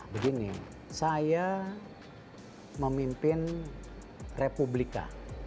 begini saya memimpin republika